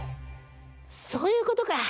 そういうことか！